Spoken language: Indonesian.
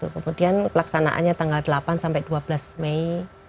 kemudian laksanaannya tanggal delapan sampai dua belas mei dua ribu sembilan belas